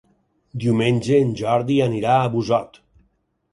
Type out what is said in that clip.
Diumenge en Jordi anirà a Busot.